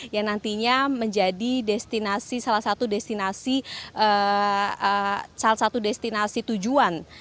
yang nantinya menjadi salah satu destinasi tujuan